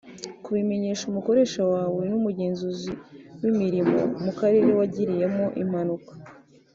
Kubimenyesha umukoresha wawe n’umugenzuzi w’imirimo mu karere wagiriyemo impanuka